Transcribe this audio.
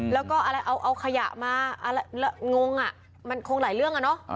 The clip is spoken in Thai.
แล้วก็เอาขยะมาแล้วงงมันคงหลายเรื่องอะเนอะ